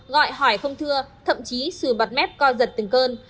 gọi hỏi không thưa thậm chí sừ bật mép co giật từng cơn